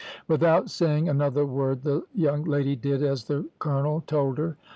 "Without saying another word the young lady did as the colonel told her.